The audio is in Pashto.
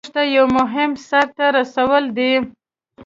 مونږ ته یو مهم سر ته رسول دي.